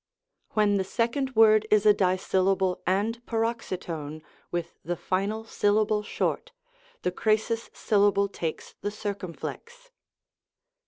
When the second word is a dissyllable and paroxytone, with the final syllable short, the crasis syllable takes the circumflex.